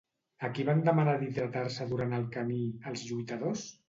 A qui van demanar d'hidratar-se durant el camí, els lluitadors?